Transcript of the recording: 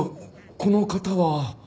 この方は？